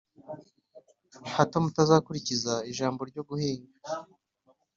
hato mutazakurikiza ijambo ryo guhinga,